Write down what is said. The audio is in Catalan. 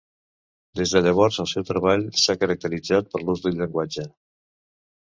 Des de llavors el seu treball s’ha caracteritzat per l’ús del llenguatge.